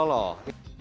setengah kilo loh